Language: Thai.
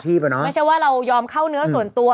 ไม่ใช่ว่าเรายอมเข้าเนื้อส่วนตัว